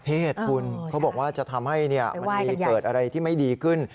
คุณเขาบอกว่าจะทำให้มันมีเกิดอะไรที่ไม่ดีขึ้น